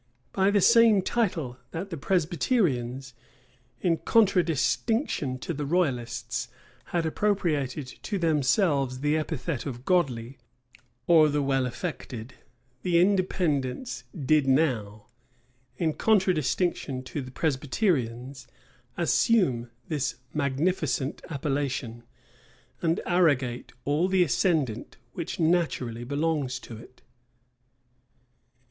By the same title that the Presbyterians, in contradistinction to the royalists, had appropriated to themselves the epithet of godly, or the well affected,[] the Independents did now, in contradistinction to the Presbyterians, assume this magnificent appellation, and arrogate all the ascendant which naturally belongs to it.